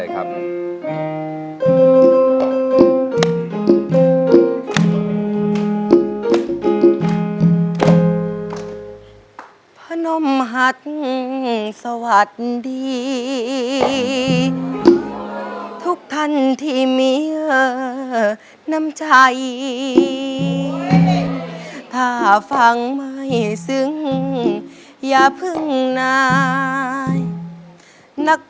ครับอ่ะได้เลยครับ